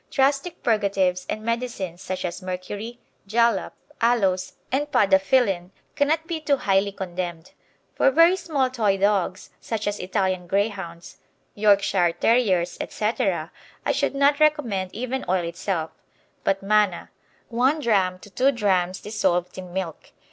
Drastic purgatives, and medicines such as mercury, jalap, aloes, and podophyllyn, cannot be too highly condemned. For very small Toy dogs, such as Italian Greyhounds, Yorkshire Terriers, etc., I should not recommend even oil itself, but manna one drachm to two drachms dissolved in milk.